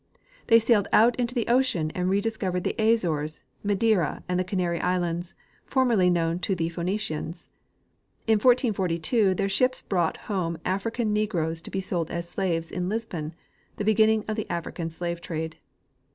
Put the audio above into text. They sailed out into the ocean and rediscovered the Azores, Madeira and the Canary islands, formerly knoAvn to the Phenicians. In 1442 their ships brought home African negroes to be sold as slaves in Lisbon, the beginning of the African slave trade.